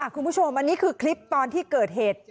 คุณผู้ชมอันนี้คือคลิปตอนที่เกิดเหตุ